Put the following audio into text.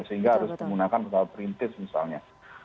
sehingga harus menggunakan pesawat perintis misalnya